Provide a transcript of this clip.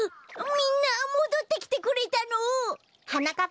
みんなもどってきてくれたの？はなかっ